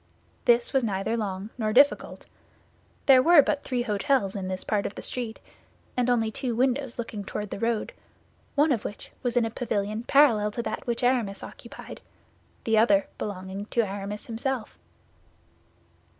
This was neither long nor difficult. There were but three hôtels in this part of the street; and only two windows looking toward the road, one of which was in a pavilion parallel to that which Aramis occupied, the other belonging to Aramis himself.